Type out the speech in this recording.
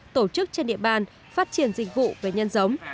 tổ chức trên địa bàn phát triển dịch vụ về nhân giống